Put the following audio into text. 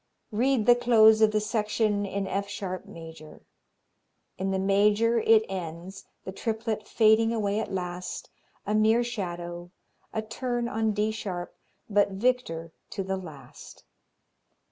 Read the close of the section in F sharp major. In the major it ends, the triplet fading away at last, a mere shadow, a turn on D sharp, but victor to the last.